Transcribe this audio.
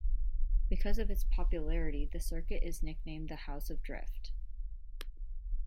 Because of its popularity, the circuit is nicknamed the "House of Drift".